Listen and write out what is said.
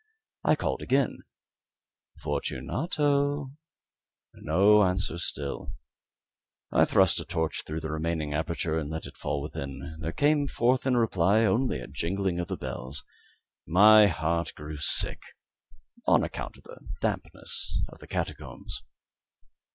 I called again "Fortunato " No answer still. I thrust a torch through the remaining aperture and let it fall within. There came forth in reply only a jingling of the bells. My heart grew sick on account of the dampness of the catacombs.